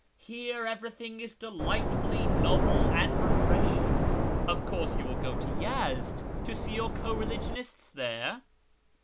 Here everything is delightfully novel and refreshing. Of shirAz 289 course you will go to Yezd to see your co religionists there